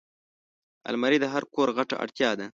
الماري د هر کور غټه اړتیا ده